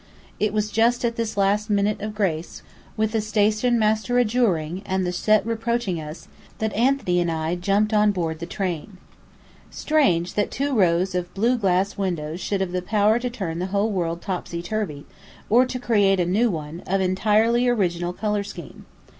It was just at the last minute of grace, with the station master adjuring, and the Set reproaching us, that Anthony and I jumped on board the train. Strange that two rows of blue glass windows should have power to turn the whole world topsy turvy, or to create a new one, of an entirely original colour scheme!